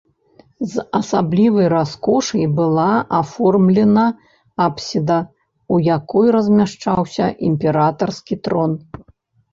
З асаблівай раскошай была аформлена апсіда, у якой размяшчаўся імператарскі трон.